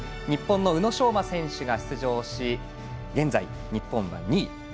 日本の宇野昌磨選手が出場し現在、日本は２位。